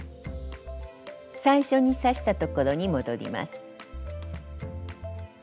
最初に刺したところに戻ります。